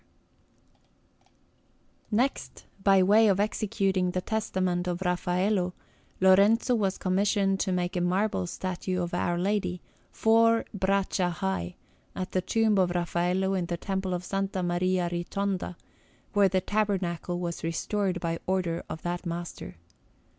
Maria del Popolo, Chigi Chapel_) Anderson] Next, by way of executing the testament of Raffaello, Lorenzo was commissioned to make a marble statue of Our Lady, four braccia high, for the tomb of Raffaello in the Temple of S. Maria Ritonda, where the tabernacle was restored by order of that master.